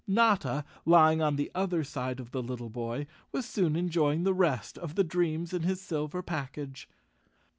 Notta, lying on the other side of the little boy, was soon enjoy¬ ing the rest of the dreams in his silver package.